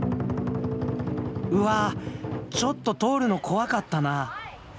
うわちょっと通るの怖かったなあ。